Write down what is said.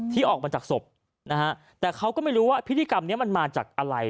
ที่ออกมาจากศพนะฮะแต่เขาก็ไม่รู้ว่าพิธีกรรมนี้มันมาจากอะไร